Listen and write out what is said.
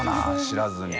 知らずに。